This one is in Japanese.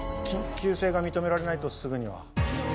緊急性が認められないとすぐには。